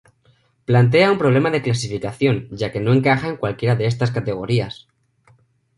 Plantea un problema de clasificación, ya que no encaja en cualquiera de estas categorías.